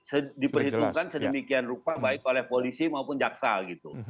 karena memang konstruksi perisiwanya saya kira sudah diperhitungkan sedemikian rupa baik oleh polisi maupun jaksa gitu